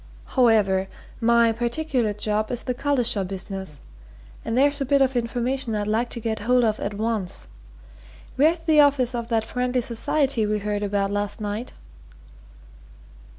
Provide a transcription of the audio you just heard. However, my particular job is the Collishaw business and there's a bit of information I'd like to get hold of at once. Where's the office of that Friendly Society we heard about last night?"